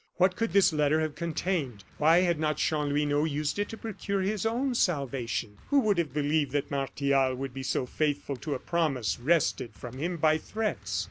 What could this letter have contained? Why had not Chanlouineau used it to procure his own salvation? Who would have believed that Martial would be so faithful to a promise wrested from him by threats?